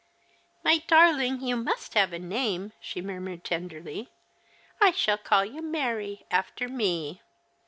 " My darling, you must have a name !" she murmured tenderly. " I shall call you Mary, after me."